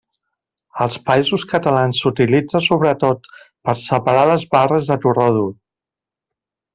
Als Països Catalans s'utilitza sobretot per separar les barres de torró dur.